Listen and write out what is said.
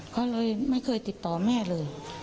เขาเลยไม่เคยติดต่อแม่เลย